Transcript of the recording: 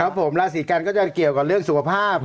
ครับผมลาศีกรรมก็จะเกี่ยวกับเรื่องสุขภาพ